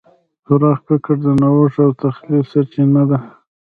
پراخ فکر د نوښت او تخیل سرچینه ده.